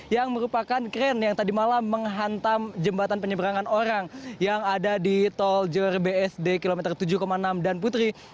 yang merupakan kren yang tadi malam menghantam jembatan penyeberangan orang yang ada di tol jor bsd kilometer tujuh enam dan putri